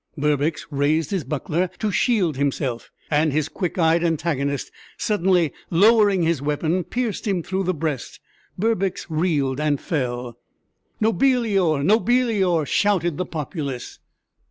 Berbix raised his buckler to shield himself, and his quick eyed antagonist, suddenly lowering his weapon, pierced him through the breast. Berbix reeled and fell. "Nobilior! Nobilior!" shouted the populace.